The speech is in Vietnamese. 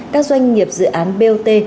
các doanh nghiệp dự án bot